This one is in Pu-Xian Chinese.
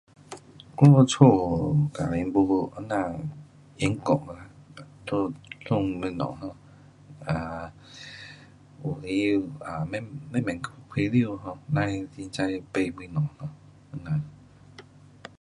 我们家家庭没讲这样严格，东西有的慢慢开销，甭去随便买东西。